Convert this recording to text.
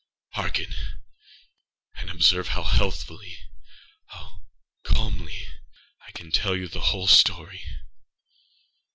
Hearken! and observe how healthilyâhow calmly I can tell you the whole story.